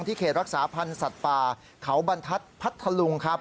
เขตรักษาพันธ์สัตว์ป่าเขาบรรทัศน์พัทธลุงครับ